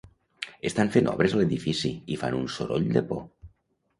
Estan fent obres a l'edifici i fan un soroll de por.